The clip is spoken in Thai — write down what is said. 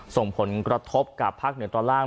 ส่งผลกระทบกับภาคเหนือตอนล่าง